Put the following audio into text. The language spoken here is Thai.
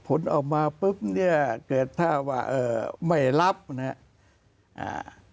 ผลออกมาปุ๊บเนี่ยเกิดถ้าว่าเอ่อไม่รับนะฮะอ่า